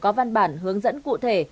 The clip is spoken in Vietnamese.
có văn bản hướng dẫn cụ thể